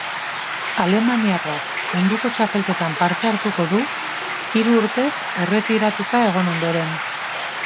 Alemaniarrak munduko txapelketan parte hartuko du hiru urtez erretiratuta egon ondoren.